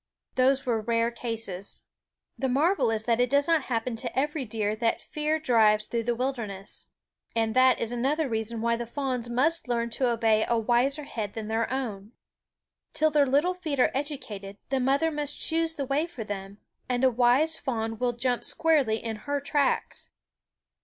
Those were rare cases. The marvel is that it does not happen to every deer that fear drives through the wilderness. And that is another reason why the fawns must learn to obey a wiser head than their own. Till their little feet are educated, the mother must choose the way for them; and a wise fawn will jump squarely in her tracks.